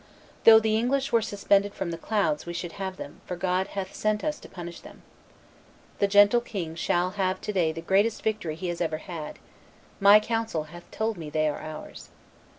Though the English were suspended from the clouds, we should have them, for God hath sent us to punish them. The gentle king shall have to day the greatest victory he has ever had; my counsel hath told me they are ours."